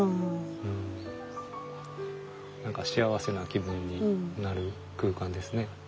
何か幸せな気分になる空間ですね。